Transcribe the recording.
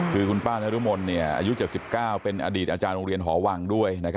คือคุณป้านรมนอายุ๗๙เป็นอดีตอาจารย์โรงเรียนหอวังด้วย